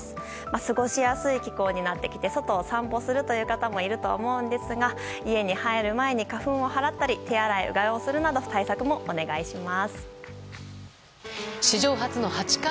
過ごしやすい気候になってきて外を散歩する方もいるとは思うんですが家に入る前に花粉を払ったり手洗い・うがいをするなど「髪顔体髪顔体バラバラ洗いは面倒だ」